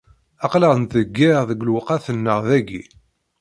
Aql-aɣ nettḍeyyiε deg lewqat-nneɣ dayi.